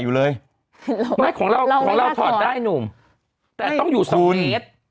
อยู่เลยไม่ของเราของเราถอดได้หนุ่มแต่ต้องอยู่สองเมตร